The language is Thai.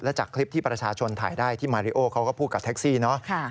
และจากคลิปที่ประชาชนถ่ายได้ที่มาริโอเขาก็พูดกับแท็กซี่เนาะ